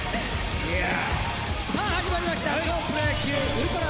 さあ始まりました超プロ野球ＵＬＴＲＡ